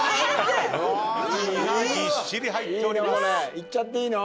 いっちゃっていいの？